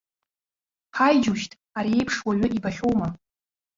Ҳаи, џьушьҭ, ари еиԥш уаҩы ибахьоума?